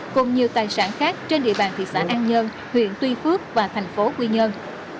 cùng nhiều tài sản khác trên địa bàn thị xã an nhơn huyện tuy phước và thành phố quy nhơn